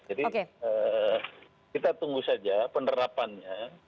jadi kita tunggu saja penerapannya